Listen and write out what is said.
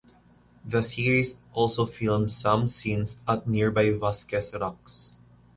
The series also filmed some scenes at nearby Vasquez Rocks.